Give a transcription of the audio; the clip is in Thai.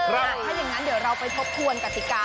ถ้าอย่างนั้นเดี๋ยวเราไปทบทวนกติกา